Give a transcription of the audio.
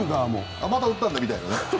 また打ったんだ、みたいな。